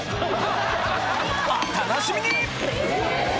お楽しみに！